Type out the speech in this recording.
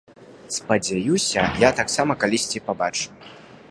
Спадзяюся, я таксама калісьці пабачу.